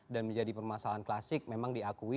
dan menjadi permasalahan klasik memang diakui